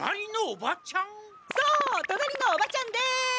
そう隣のおばちゃんです！